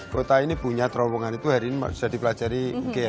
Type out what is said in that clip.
kota ini punya terowongan itu hari ini bisa dipelajari